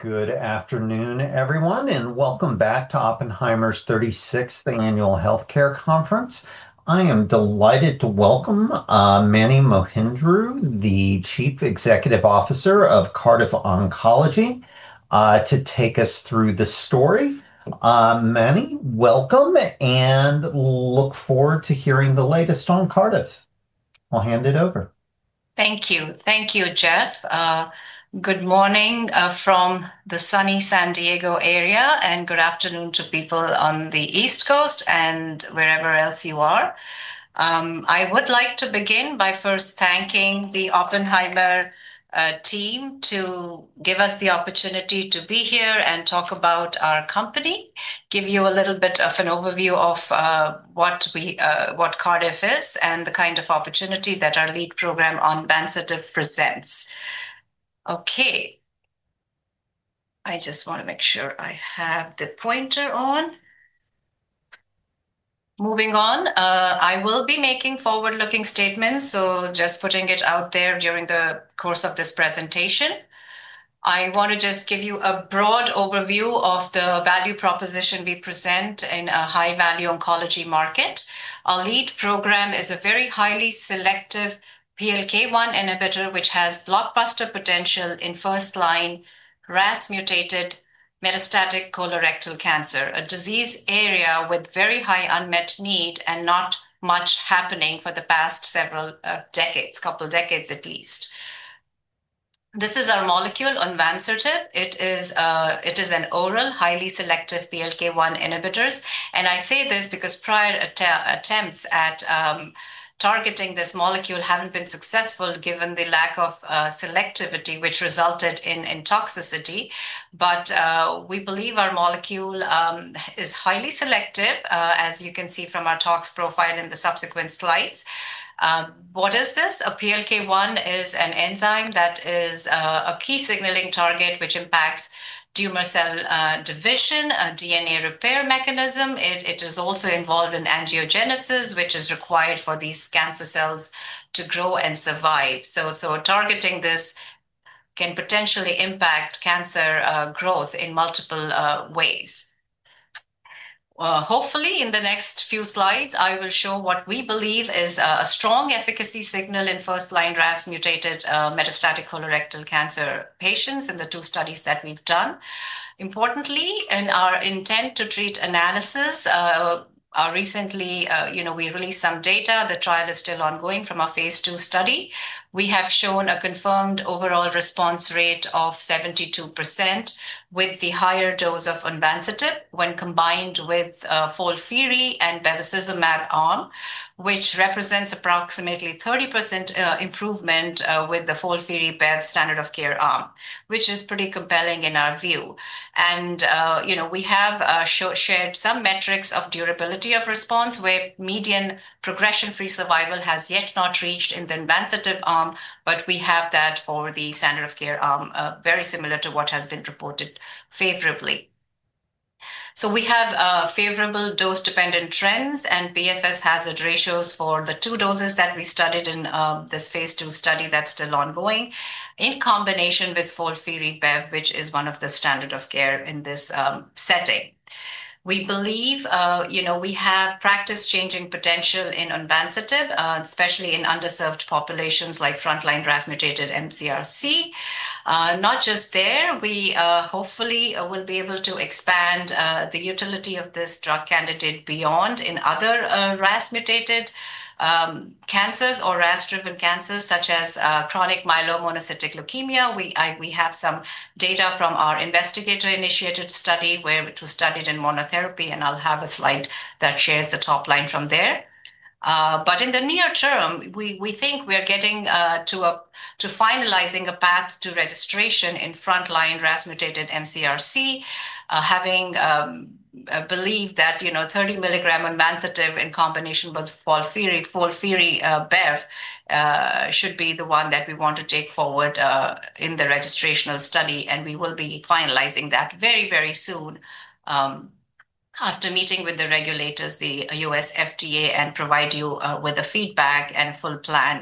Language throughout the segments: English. Good afternoon, everyone, and welcome back to Oppenheimer's 36th Annual Healthcare Conference. I am delighted to welcome Mani Mohindru, the Chief Executive Officer of Cardiff Oncology, to take us through the story. Mani, welcome, and look forward to hearing the latest on Cardiff. I'll hand it over. Thank you. Thank you, Jeff. Good morning from the sunny San Diego area, and good afternoon to people on the East Coast and wherever else you are. I would like to begin by first thanking the Oppenheimer team, to give us the opportunity to be here and talk about our company, give you a little bit of an overview of what Cardiff is, and the kind of opportunity that our lead program onvansertib presents. Okay. I just want to make sure I have the pointer on. Moving on, I will be making forward-looking statements, so just putting it out there during the course of this presentation. I want to just give you a broad overview of the value proposition we present in a high-value oncology market. Our lead program is a very highly selective PLK1 inhibitor, which has blockbuster potential in first-line RAS mutated metastatic colorectal cancer, a disease area with very high unmet need and not much happening for the past several decades, couple decades at least. This is our molecule onvansertib. It is an oral, highly selective PLK1 inhibitors, and I say this because prior attempts at targeting this molecule haven't been successful, given the lack of selectivity, which resulted in toxicity. We believe our molecule is highly selective, as you can see from our tox profile in the subsequent slides. What is this? A PLK1 is an enzyme that is a key signaling target, which impacts tumor cell division, a DNA repair mechanism. It is also involved in angiogenesis, which is required for these cancer cells to grow and survive. Targeting this can potentially impact cancer growth in multiple ways. Hopefully, in the next few slides, I will show what we believe is a strong efficacy signal in first-line RAS mutated metastatic colorectal cancer patients in the two studies that we've done. Importantly, in our intent-to-treat analysis, recently, you know, we released some data. The trial is still ongoing from our phase II study. We have shown a confirmed overall response rate of 72% with the higher dose of onvansertib when combined with FOLFIRI and bevacizumab arm, which represents approximately 30% improvement with the FOLFIRI/bev standard of care arm, which is pretty compelling in our view. You know, we have shared some metrics of durability of response, where median progression-free survival has yet not reached in the onvansertib arm, but we have that for the standard of care arm, very similar to what has been reported favorably. We have favorable dose-dependent trends, and PFS hazard ratios for the two doses that we studied in this Phase II study that's still ongoing, in combination with FOLFIRI/bev, which is one of the standard of care in this setting. We believe, you know, we have practice-changing potential in onvansertib, especially in underserved populations like frontline RAS-mutated mCRC. Not just there, we, hopefully, will be able to expand the utility of this drug candidate beyond in other RAS-mutated cancers or RAS-driven cancers, such as chronic myelomonocytic leukemia. We have some data from our investigator-initiated study, where it was studied in monotherapy. I'll have a slide that shares the top line from there. In the near term, we think we are getting to finalizing a path to registration in frontline RAS-mutated mCRC, having a belief that, you know, 30 milligram onvansertib in combination with FOLFIRI, bev should be the one that we want to take forward in the registrational study, and we will be finalizing that very soon after meeting with the regulators, the US FDA, and provide you with a feedback and full plan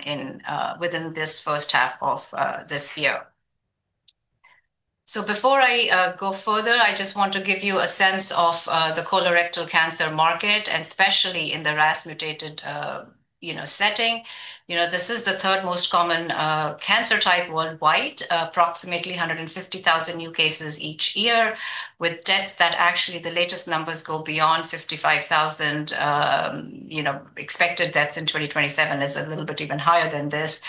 within this first half of this year. Before I go further, I just want to give you a sense of the colorectal cancer market, and especially in the RAS-mutated, you know, setting. You know, this is the third most common cancer type worldwide, approximately 150,000 new cases each year, with deaths that actually the latest numbers go beyond 55,000, you know, expected deaths in 2027. It's a little bit even higher than this.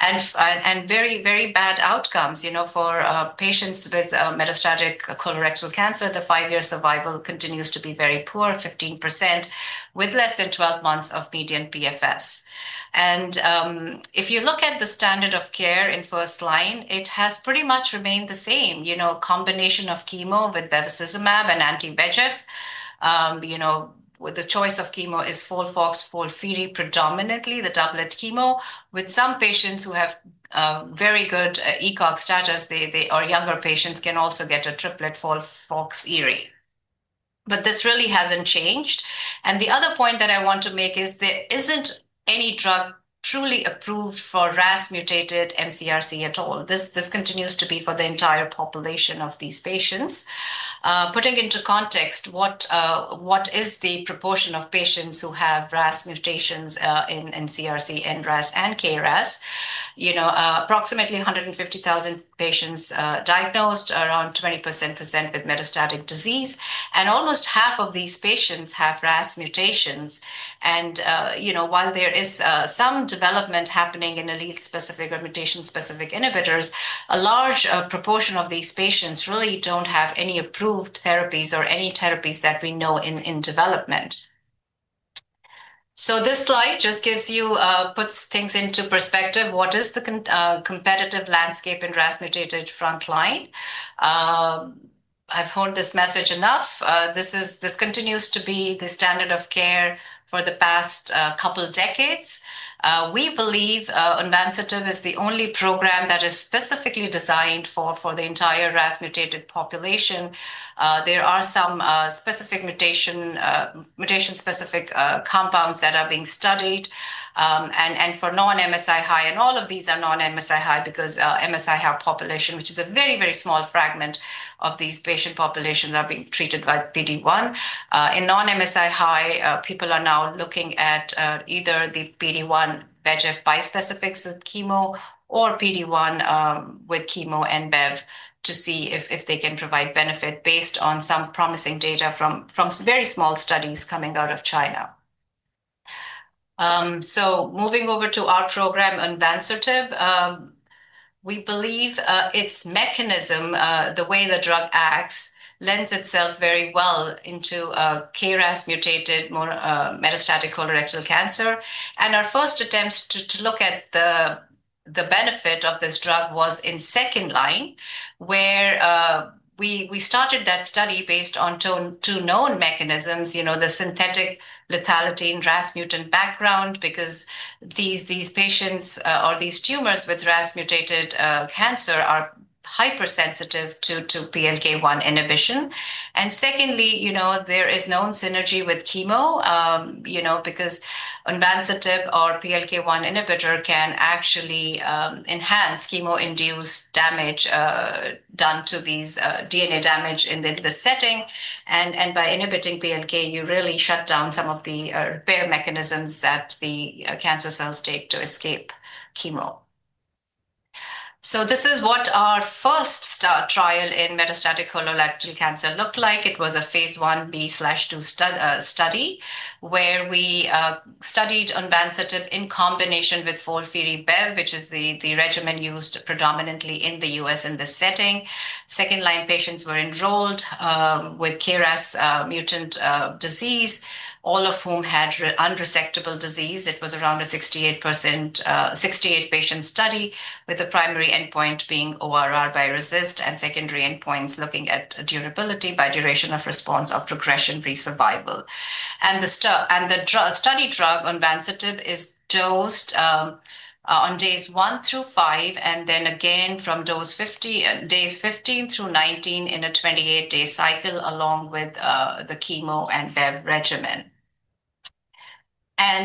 Very, very bad outcomes, you know, for patients with metastatic colorectal cancer. The five-year survival continues to be very poor, 15%, with less than 12 months of median PFS. If you look at the standard of care in first line, it has pretty much remained the same, you know, combination of chemo with bevacizumab and anti-VEGF. You know, with the choice of chemo is FOLFOX, FOLFIRI, predominantly the doublet chemo, with some patients who have very good ECOG status, they or younger patients can also get a triplet FOLFIRINOX. This really hasn't changed. The other point that I want to make is there isn't any drug truly approved for RAS mutated mCRC at all. This continues to be for the entire population of these patients. Putting into context, what is the proportion of patients who have RAS mutations in mCRC, NRAS and KRAS? You know, approximately 150,000 patients diagnosed, around 20% present with metastatic disease, and almost half of these patients have RAS mutations. You know, while there is some development happening in allele-specific or mutation-specific inhibitors, a large proportion of these patients really don't have any approved therapies or any therapies that we know in development. This slide just gives you puts things into perspective. What is the competitive landscape in RAS-mutated frontline? I've heard this message enough. This continues to be the standard of care for the past couple decades. We believe onvansertib is the only program that is specifically designed for the entire RAS-mutated population. There are some specific mutation-specific compounds that are being studied. For non-MSI-high, and all of these are non-MSI-high because MSI-high population, which is a very small fragment of these patient populations, are being treated by PD-1. In non-MSI-high, people are now looking at either the PD-1 VEGF bispecifics with chemo or PD-1 with chemo and Bev to see if they can provide benefit based on some promising data from very small studies coming out of China. Moving over to our program, onvansertib, we believe its mechanism, the way the drug acts, lends itself very well into KRAS-mutated metastatic colorectal cancer. Our first attempt to look at the benefit of this drug was in second line, where we started that study based on two known mechanisms, you know, the synthetic lethality in RAS mutant background, because these patients, or these tumors with RAS-mutated cancer are hypersensitive to PLK one inhibition. Secondly, you know, there is known synergy with chemo, you know, because onvansertib or PLK1 inhibitor can actually enhance chemo-induced damage done to these DNA damage in the setting. By inhibiting PLK, you really shut down some of the repair mechanisms that the cancer cells take to escape chemo. This is what our first trial in metastatic colorectal cancer looked like. It was a phase Ib/II study, where we studied onvansertib in combination with FOLFIRI Bev, which is the regimen used predominantly in the U.S. in this setting. Second-line patients were enrolled with KRAS mutant disease, all of whom had unresectable disease. It was around a 68%, 68-patient study, with the primary endpoint being ORR by RECIST and secondary endpoints looking at durability by duration of response or progression-free survival. The drug, study drug, onvansertib, is dosed on days one through five, and then again from dose 50, days 15 through 19 in a 28-day cycle, along with the chemo and bev regimen.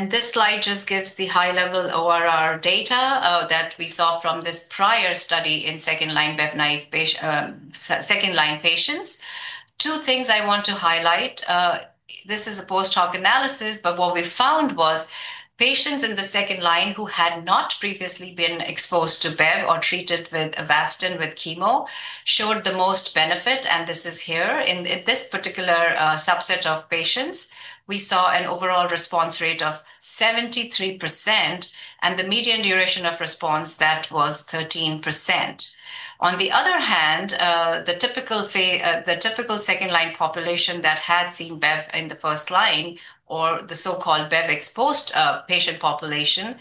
This slide just gives the high-level ORR data that we saw from this prior study in second-line bev-naïve patient, second-line patients. Two things I want to highlight. This is a post-hoc analysis, but what we found was patients in the second line who had not previously been exposed to bev or treated with Avastin with chemo showed the most benefit, and this is here. In this particular subset of patients, we saw an overall response rate of 73%, and the median duration of response, that was 13%. On the other hand, the typical second-line population that had seen bev in the first line, or the so-called bev-exposed patient population,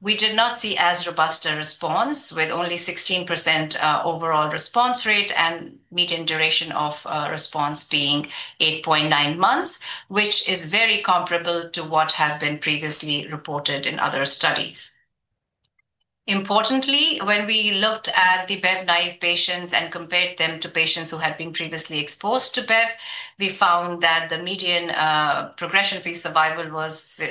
we did not see as robust a response, with only 16% overall response rate and median duration of response being eight point nine months, which is very comparable to what has been previously reported in other studies. Importantly, when we looked at the bev-naive patients and compared them to patients who had been previously exposed to bev, we found that the median progression-free survival was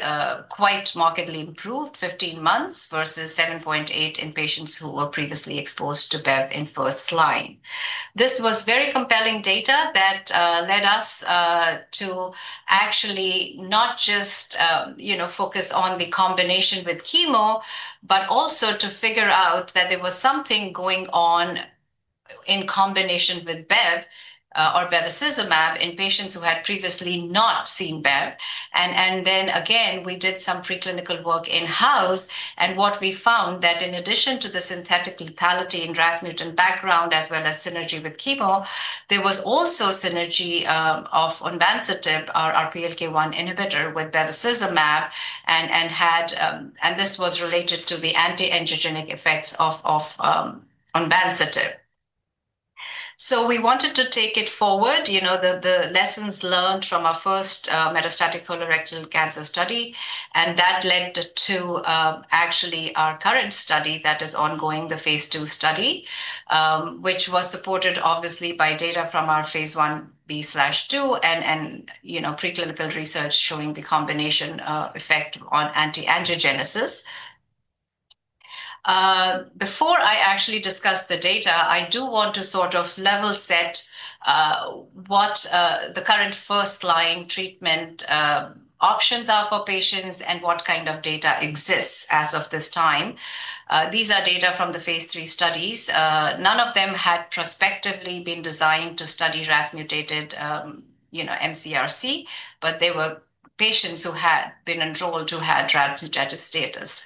quite markedly improved, 15 months versus 7.8 in patients who were previously exposed to bev in first line. This was very compelling data that led us to actually not just, you know, focus on the combination with chemo, but also to figure out that there was something going on in combination with bev, or bevacizumab, in patients who had previously not seen bev. Then again, we did some preclinical work in-house, and what we found that in addition to the synthetic lethality in RAS mutant background, as well as synergy with chemo, there was also synergy of onvansertib, our PLK1 inhibitor, with bevacizumab, and had. This was related to the anti-angiogenic effects of onvansertib. We wanted to take it forward, you know, the lessons learned from our first metastatic colorectal cancer study, and that led to actually our current study that is ongoing, the phase II study. which was supported obviously by data from our phase Ib/II and, you know, preclinical research showing the combination effect on anti-angiogenesis. Before I actually discuss the data, I do want to sort of level set what the current first-line treatment options are for patients and what kind of data exists as of this time. These are data from the phase III studies. None of them had prospectively been designed to study RAS-mutated, you know, mCRC, they were patients who had been enrolled who had RAS-mutated status.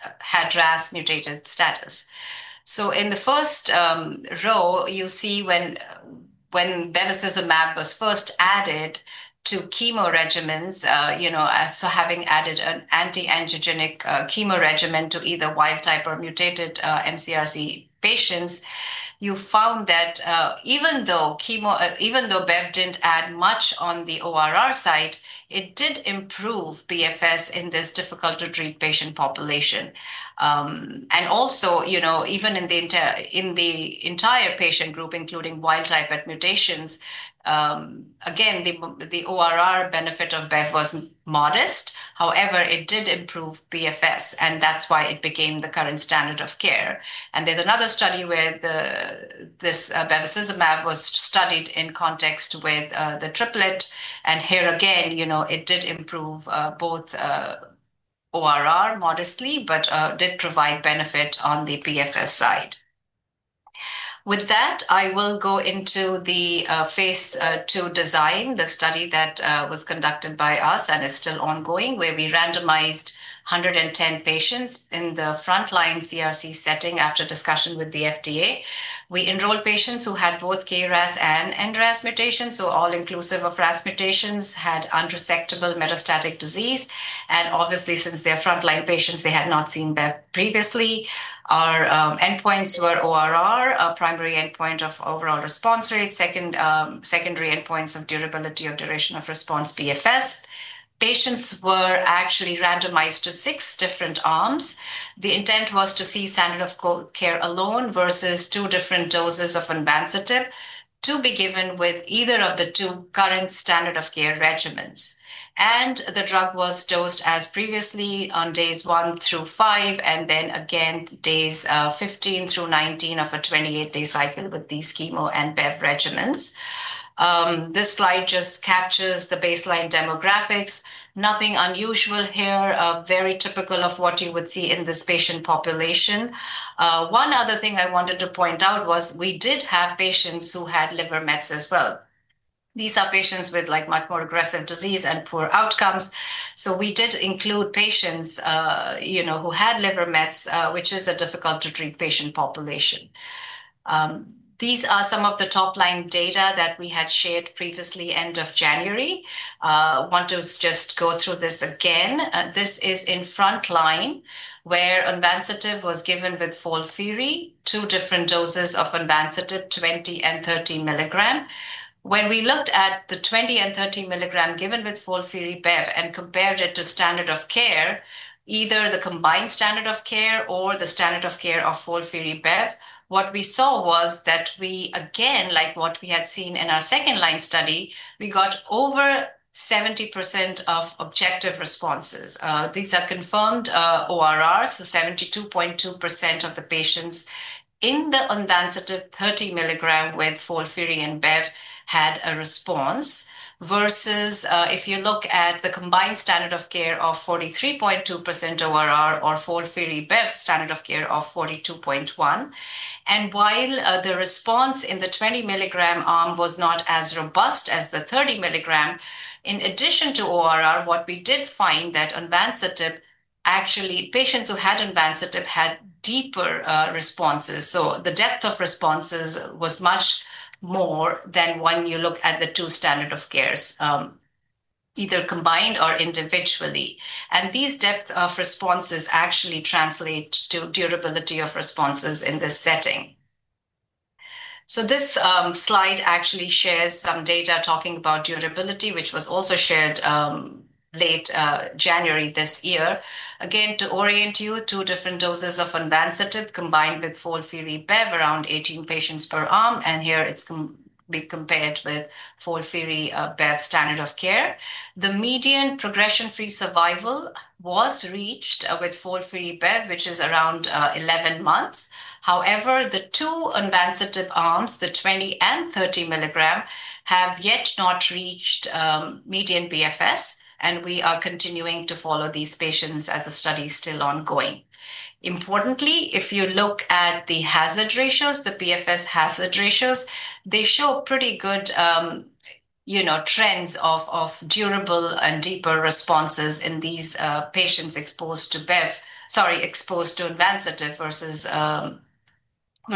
In the first, row, you see when bevacizumab was first added to chemo regimens, you know, having added an anti-angiogenic chemo regimen to either wild-type or mutated mCRC patients, you found that even though chemo. even though bev didn't add much on the ORR side, it did improve PFS in this difficult-to-treat patient population. Also, you know, even in the entire patient group, including wild type at mutations, again, the ORR benefit of bev was modest. It did improve PFS, and that's why it became the current standard of care. There's another study where this bevacizumab was studied in context with the triplet, and here again, you know, it did improve both ORR modestly, but did provide benefit on the PFS side. With that, I will go into the phase II design, the study that was conducted by us and is still ongoing, where we randomized 110 patients in the frontline CRC setting after discussion with the FDA. We enrolled patients who had both KRAS and NRAS mutations, so all inclusive of RAS mutations, had unresectable metastatic disease, and obviously, since they are frontline patients, they had not seen bev previously. Our endpoints were ORR, a primary endpoint of overall response rate, second secondary endpoints of durability or duration of response PFS. Patients were actually randomized to six different arms. The intent was to see standard of care alone versus two different doses of onvansertib, to be given with either of the two current standard of care regimens. The drug was dosed as previously on days one-five, and then again, days 15-19 of a 28-day cycle with these chemo and bev regimens. This slide just captures the baseline demographics. Nothing unusual here, very typical of what you would see in this patient population. One other thing I wanted to point out was we did have patients who had liver mets as well. These are patients with, like, much more aggressive disease and poor outcomes. We did include patients, you know, who had liver mets, which is a difficult-to-treat patient population. These are some of the top-line data that we had shared previously, end of January. Want to just go through this again. This is in frontline, where onvansertib was given with FOLFIRI, two different doses of onvansertib, 20 and 30 milligram. When we looked at the 20 and 30 milligram given with FOLFIRI bev and compared it to standard of care, either the combined standard of care or the standard of care of FOLFIRI bev, what we saw was that we, again, like what we had seen in our second-line study, we got over 70% of objective responses. These are confirmed ORRs, so 72.2% of the patients in the onvansertib 30 milligram with FOLFIRI and bev had a response, versus, if you look at the combined standard of care of 43.2% ORR or FOLFIRI bev standard of care of 42.1. While the response in the 20 milligram arm was not as robust as the 30 milligram, in addition to ORR, what we did find that onvansertib actually, patients who had onvansertib had deeper responses. The depth of responses was much more than when you look at the two standard of cares, either combined or individually. These depth of responses actually translate to durability of responses in this setting. This slide actually shares some data talking about durability, which was also shared late January this year. Again, to orient you, two different doses of onvansertib combined with FOLFIRI bev, around 18 patients per arm, and here it's being compared with FOLFIRI bev standard of care. The median progression-free survival was reached with FOLFIRI bev, which is around 11 months. The two onvansertib arms, the 20 and 30 milligram, have yet not reached median PFS, and we are continuing to follow these patients as the study is still ongoing. Importantly, if you look at the hazard ratios, the PFS hazard ratios, they show pretty good, you know, trends of durable and deeper responses in these patients exposed to onvansertib versus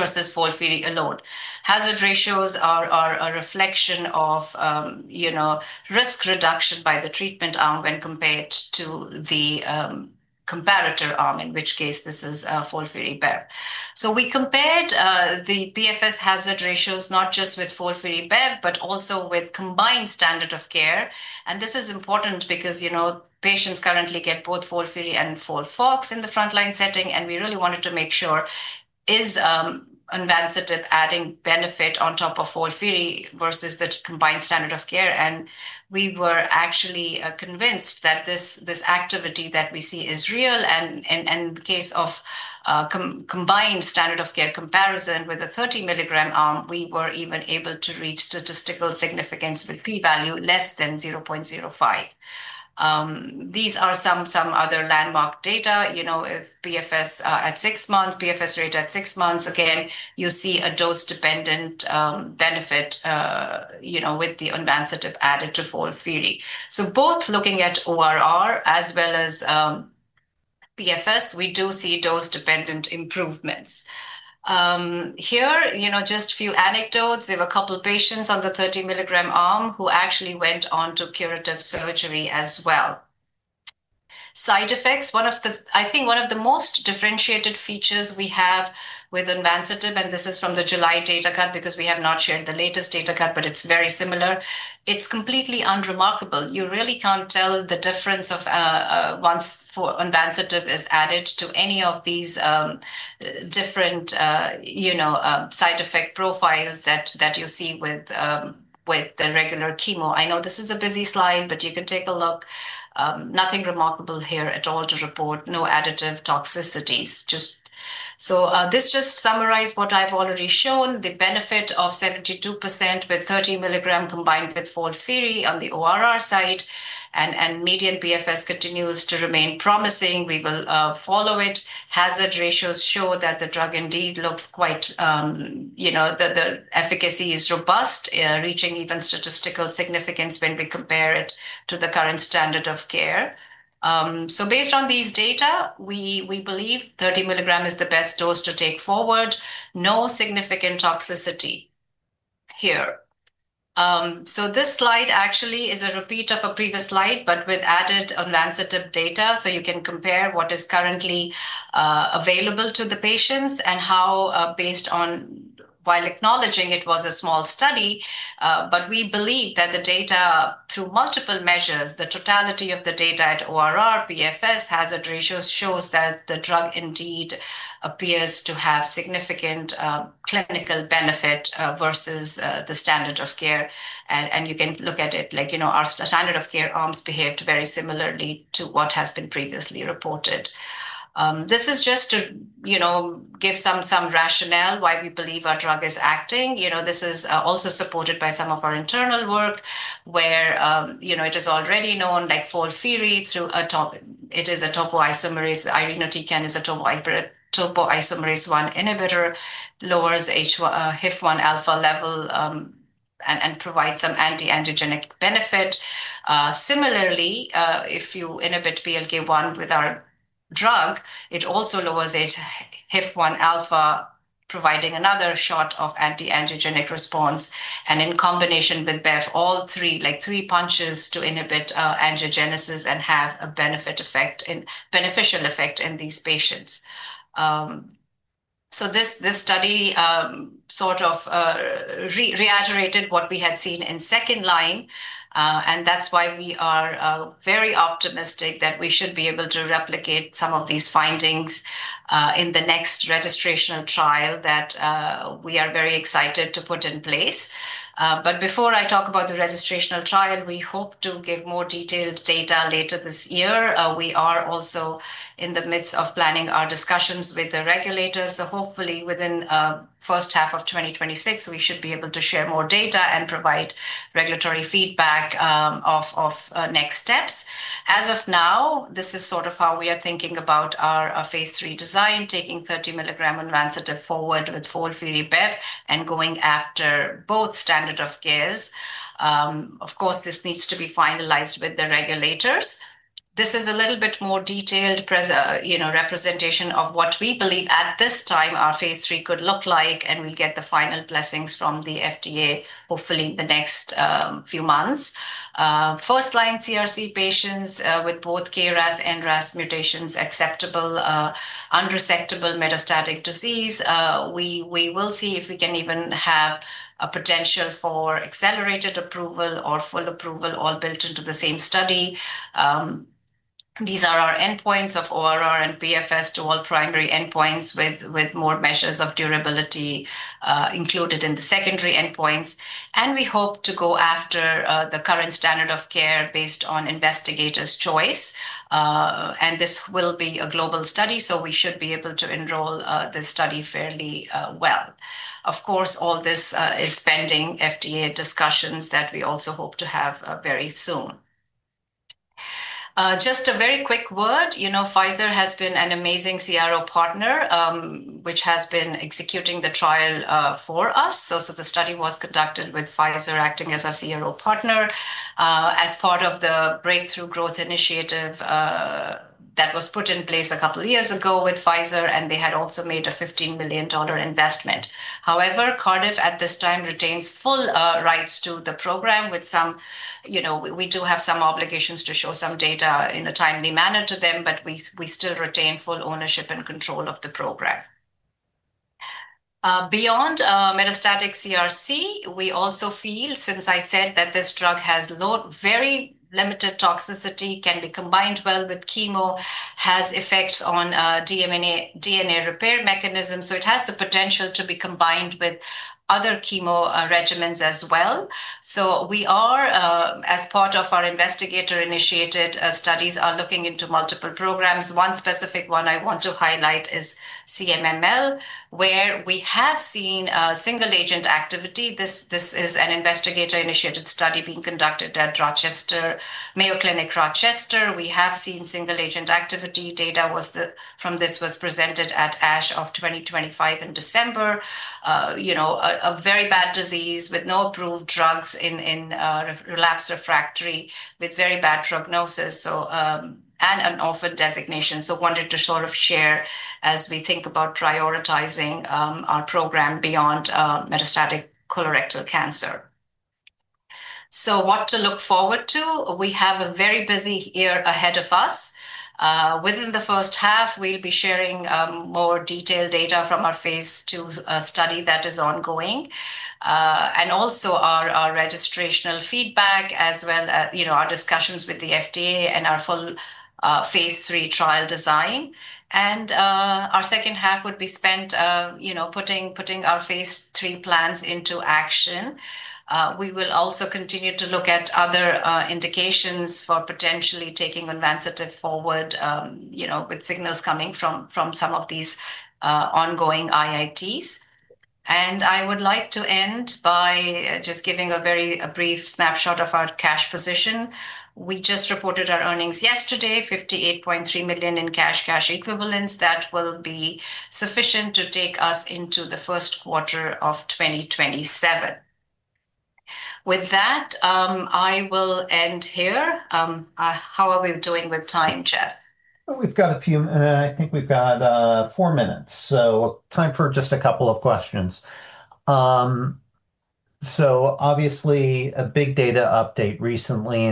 FOLFIRI alone. Hazard ratios are a reflection of, you know, risk reduction by the treatment arm when compared to the comparator arm, in which case this is FOLFIRI-bev. We compared the PFS hazard ratios, not just with FOLFIRI-bev, but also with combined standard of care. This is important because, you know, patients currently get both FOLFIRI and FOLFOX in the frontline setting, and we really wanted to make sure is onvansertib adding benefit on top of FOLFIRI versus the combined standard of care. We were actually convinced that this activity that we see is real, and in the case of combined standard of care comparison with a 30-milligram arm, we were even able to reach statistical significance with p-value less than 0.05. These are some other landmark data. You know, if PFS at six months, PFS rate at six months, again, you see a dose-dependent benefit, you know, with the onvansertib added to FOLFIRI. Both looking at ORR as well as PFS, we do see dose-dependent improvements. Here, you know, just a few anecdotes. There were a couple of patients on the 30-milligram arm who actually went on to curative surgery as well. Side effects, I think one of the most differentiated features we have with onvansertib, and this is from the July data cut, because we have not shared the latest data cut, but it's very similar. It's completely unremarkable. You really can't tell the difference of once onvansertib is added to any of these different, you know, side effect profiles that you see with the regular chemo. I know this is a busy slide, but you can take a look. Nothing remarkable here at all to report. No additive toxicities. This just summarize what I've already shown, the benefit of 72% with 30 milligram combined with FOLFIRI on the ORR side, and median PFS continues to remain promising. We will follow it. Hazard ratios show that the drug indeed looks quite, you know, the efficacy is robust, reaching even statistical significance when we compare it to the current standard of care. Based on these data, we believe 30 milligram is the best dose to take forward. No significant toxicity here. This slide actually is a repeat of a previous slide, but with added onvansertib data, so you can compare what is currently available to the patients and how, While acknowledging it was a small study, but we believe that the data through multiple measures, the totality of the data at ORR, PFS, hazard ratios, shows that the drug indeed appears to have significant clinical benefit versus the standard of care. You can look at it like, you know, our standard of care arms behaved very similarly to what has been previously reported. This is just to, you know, give some rationale why we believe our drug is acting. You know, this is also supported by some of our internal work, where, you know, it is already known, like FOLFIRI, it is a topoisomerase. irinotecan is a topoisomerase 1 inhibitor, lowers HIF-1 alpha level, and provides some anti-angiogenic benefit. Similarly, if you inhibit PLK1 with our drug, it also lowers it HIF-1 alpha, providing another shot of anti-angiogenic response, and in combination with bev, all three, like three punches to inhibit angiogenesis and have a beneficial effect in these patients. This study, sort of, reiterated what we had seen in second line, and that's why we are very optimistic that we should be able to replicate some of these findings in the next registrational trial that we are very excited to put in place. Before I talk about the registrational trial, we hope to give more detailed data later this year. We are also in the midst of planning our discussions with the regulators. Hopefully, within first half of 2026, we should be able to share more data and provide regulatory feedback of next steps. As of now, this is sort of how we are thinking about our phase III design, taking 30 milligram onvansertib forward with FOLFIRI-bev and going after both standard of cares. Of course, this needs to be finalized with the regulators. This is a little bit more detailed representation of what we believe at this time our phase III could look like, and we'll get the final blessings from the FDA, hopefully, the next few months. First-line CRC patients with both KRAS and RAS mutations, acceptable, unresectable metastatic disease, we will see if we can even have a potential for Accelerated Approval or full approval all built into the same study. These are our endpoints of ORR and PFS to all primary endpoints with more measures of durability included in the secondary endpoints. We hope to go after the current standard of care based on investigator's choice. This will be a global study, so we should be able to enroll this study fairly well. Of course, all this is pending FDA discussions that we also hope to have very soon. Just a very quick word, you know, Pfizer has been an amazing CRO partner, which has been executing the trial for us. The study was conducted with Pfizer acting as our CRO partner as part of the Breakthrough Growth Initiative that was put in place a couple of years ago with Pfizer. They had also made a $15 million investment. However, Cardiff, at this time, retains full rights to the program with you know, we do have some obligations to show some data in a timely manner to them, but we still retain full ownership and control of the program. Beyond metastatic CRC, we also feel, since I said that this drug has very limited toxicity, can be combined well with chemo, has effects on DNA repair mechanisms, so it has the potential to be combined with other chemo regimens as well. We are, as part of our Investigator-Initiated Studies, are looking into multiple programs. One specific one I want to highlight is CMML, where we have seen single-agent activity. This is an Investigator-Initiated Study being conducted at Mayo Clinic, Rochester. We have seen single-agent activity. Data from this was presented at ASH of 2023 in December. you know, a very bad disease with no approved drugs in relapsed refractory, with very bad prognosis, so, and an orphan designation. wanted to sort of share as we think about prioritizing our program beyond metastatic colorectal cancer. What to look forward to? We have a very busy year ahead of us. Within the first half, we'll be sharing more detailed data from our phase II study that is ongoing, and also our registrational feedback as well as, you know, our discussions with the FDA and our full phase III trial design. our second half would be spent, you know, putting our phase III plans into action. We will also continue to look at other indications for potentially taking onvansertib forward, you know, with signals coming from some of these ongoing IITs. I would like to end by just giving a very brief snapshot of our cash position. We just reported our earnings yesterday, $58.3 million in cash equivalents. That will be sufficient to take us into the Q1 of 2027. With that, I will end here. How are we doing with time, Jeff? We've got a few. I think we've got four minutes, so time for just a couple of questions. Obviously, a big data update recently,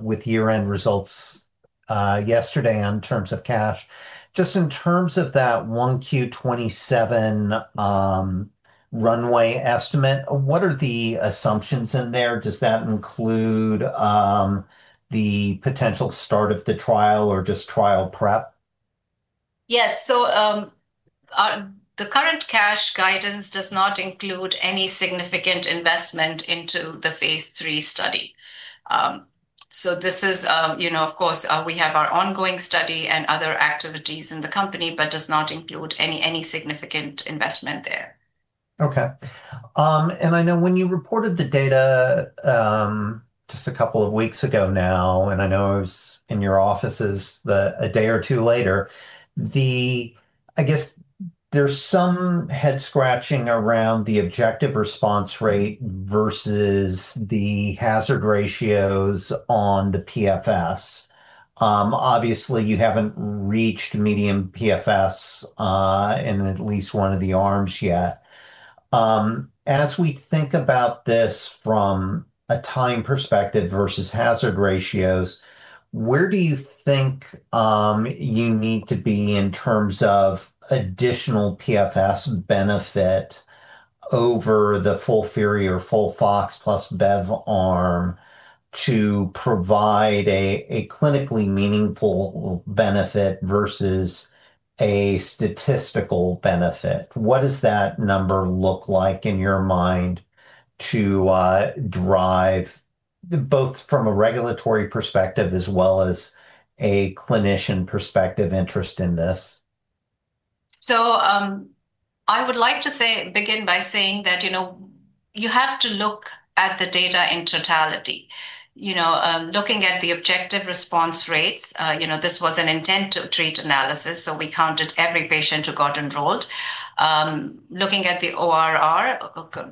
with year-end results yesterday in terms of cash. Just in terms of that one Q-27, runway estimate, what are the assumptions in there? Does that include the potential start of the trial or just trial prep? Yes. The current cash guidance does not include any significant investment into the phase III study. This is, you know, of course, we have our ongoing study and other activities in the company, but does not include any significant investment there. Okay. I know when you reported the data just a couple of weeks ago now, I know I was in your offices a day or two later. I guess there's some head-scratching around the objective response rate versus the hazard ratios on the PFS. Obviously, you haven't reached medium PFS in at least one of the arms yet. As we think about this from a time perspective versus hazard ratios, where do you think you need to be in terms of additional PFS benefit over the FOLFIRI or FOLFOX+ bev arm to provide a clinically meaningful benefit versus a statistical benefit? What does that number look like in your mind to drive, both from a regulatory perspective as well as a clinician perspective, interest in this? begin by saying that, you know, you have to look at the data in totality. You know, looking at the objective response rates, you know, this was an intent-to-treat analysis, so we counted every patient who got enrolled. Looking at the ORR,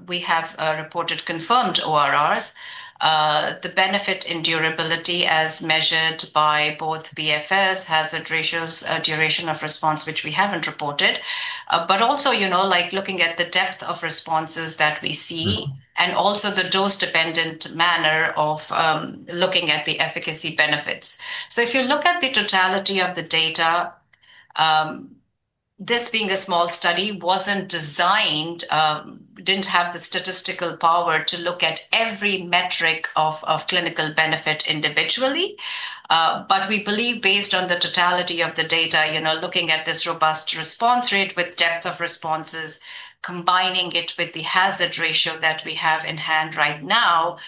we have reported confirmed ORRs. The benefit in durability as measured by both PFS, hazard ratios, duration of response, which we haven't reported, but also, you know, like looking at the depth of responses that we see. Mm-hmm. Also the dose-dependent manner of looking at the efficacy benefits. If you look at the totality of the data, this being a small study, wasn't designed, didn't have the statistical power to look at every metric of clinical benefit individually. We believe based on the totality of the data, you know, looking at this robust response rate with depth of responses, combining it with the hazard ratio that we have in hand right now,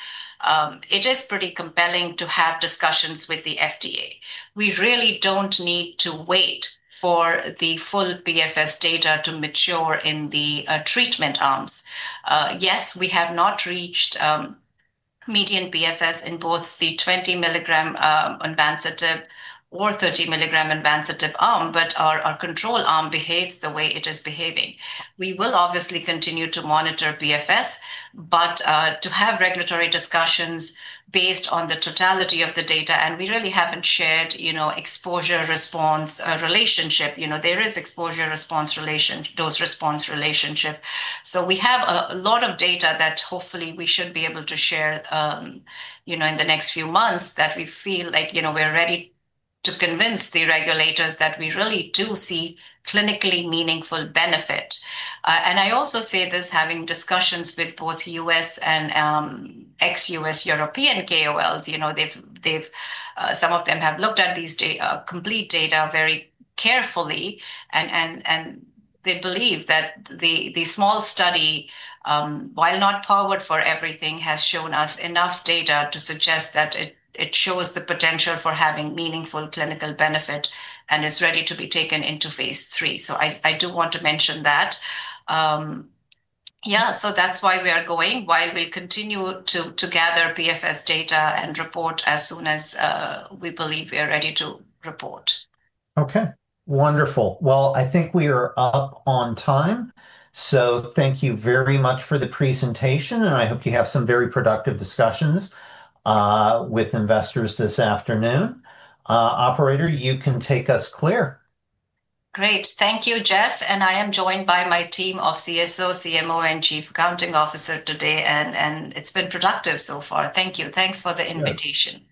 it is pretty compelling to have discussions with the FDA. We really don't need to wait for the full PFS data to mature in the treatment arms. Yes, we have not reached median PFS in both the 20 milligram onvansertib or 30 milligram onvansertib arm, but our control arm behaves the way it is behaving. We will obviously continue to monitor PFS, but to have regulatory discussions based on the totality of the data, and we really haven't shared, you know, exposure-response relationship. You know, there is dose-response relationship. We have a lot of data that hopefully we should be able to share, you know, in the next few months, that we feel like, you know, we're ready to convince the regulators that we really do see clinically meaningful benefit. I also say this, having discussions with both US and ex-US, European KOLs. You know, they've some of them have looked at these complete data very carefully, and they believe that the small study, while not powered for everything, has shown us enough data to suggest that it shows the potential for having meaningful clinical benefit and is ready to be taken into phase III. So I do want to mention that. Yeah, so that's why we are going, while we continue to gather PFS data and report as soon as we believe we are ready to report. Okay, wonderful. Well, I think we are up on time. Thank you very much for the presentation. I hope you have some very productive discussions with investors this afternoon. Operator, you can take us clear. Thank you, Jeff, I am joined by my team of CSO, CMO, and Chief Accounting Officer today, it's been productive so far. Thank you. Thanks for the invitation. Bye.